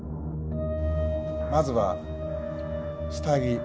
まずは下着。